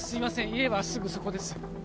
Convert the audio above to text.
家はすぐそこです